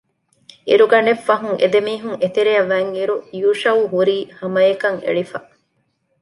އިރުގަނޑެއް ފަހުން އެދެމީހުން އެތެރެއަށް ވަތްއިރު ޔޫޝައު ހުރީ ހަމައަކަށް އެޅިފަ